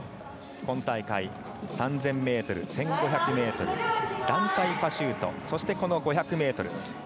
今大会３０００ｍ、１５００ｍ団体パシュートそして、この５００ｍ